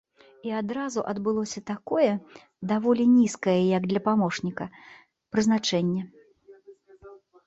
І адразу адбылося такое, даволі нізкае як для памочніка, прызначэнне.